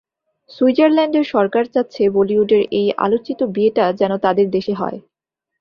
সুইজারল্যান্ডের সরকার চাচ্ছে, বলিউডের এই আলোচিত বিয়েটা যেন তাদের দেশে হয়।